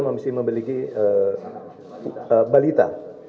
mesti memiliki balita